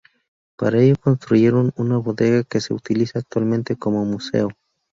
Para ello construyeron una bodega, que se utiliza actualmente como museo.